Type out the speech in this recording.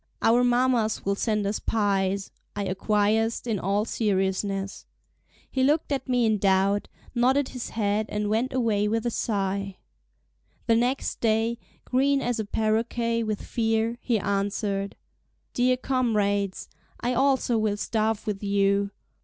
"Our mammas will send us pies," I acquiesced in all seriousness. He looked at me in doubt, nodded his head and went away with a sigh. The next day, green as a paroquet with fear, he answered: "Dear comrades! I also will starve with you."